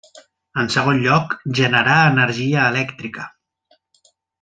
En segon lloc, generar energia elèctrica.